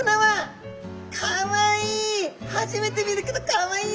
かわいい！